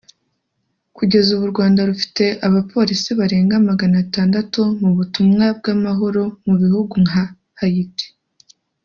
Kugeza ubu u Rwanda rufite abapolisi barenga magana atandatu mu butumwa bw’amahoro mu bihugu nka Haiti